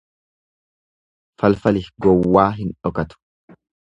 Falfali gowwaa hin dhokatu.